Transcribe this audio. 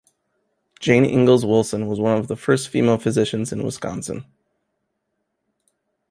Jane Ingalls Wilson was one of the first female physicians in Wisconsin.